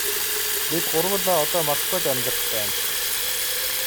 Бид гурвуулаа одоо Москвад амьдарч байна.